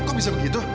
kok bisa begitu